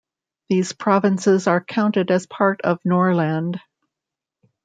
These provinces are counted as part of Norrland.